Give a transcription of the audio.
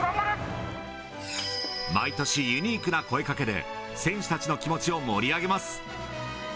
毎年、ユニークな声かけで選手たちの気持ちを盛り上げます。